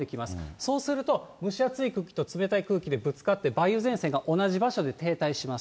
そうすると、蒸し暑い空気と冷たい空気でぶつかって、梅雨前線が同じ場所で停滞します。